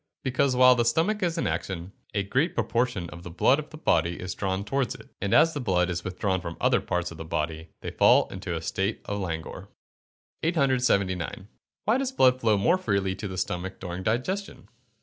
_ Because, while the stomach is in action, a great proportion of the blood of the body is drawn towards it, and as the blood is withdrawn from the other parts of the body, they fall into a state of languor. 879. _Why does blood flow more freely to the stomach during digestion?